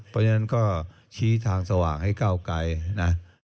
เพราะฉะนั้นก็ชี้ทางสว่างให้ก้าวไกลนะ